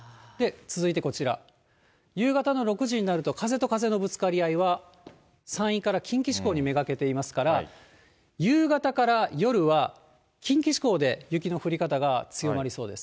続いてこちら、夕方の６時になると、風と風のぶつかり合いは山陰から近畿地方にめがけていますから、夕方から夜は、近畿地方で雪の降り方が強まりそうです。